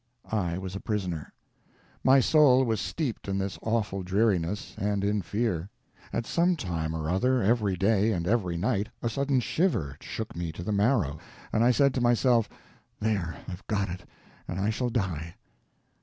I was a prisoner. My soul was steeped in this awful dreariness—and in fear. At some time or other every day and every night a sudden shiver shook me to the marrow, and I said to myself, "There, I've got it! and I shall die."